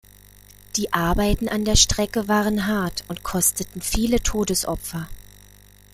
Die Arbeiten an der Strecke waren hart und kosteten viele Todesopfer.